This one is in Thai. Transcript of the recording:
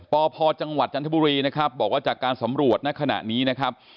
ปพจังหวัดจันทบุรีนะครับบอกว่าจากการสำรวจในขณะนี้นะครับ